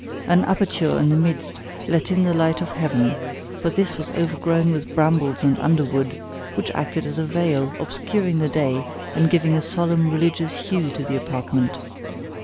An aperture in the midst let in the light of heaven; but this was overgrown with brambles and underwood, which acted as a veil, obscuring the day, and giving a solemn religious hue to the apartment.